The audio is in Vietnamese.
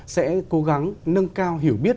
sẽ cố gắng nâng cao hiểu biết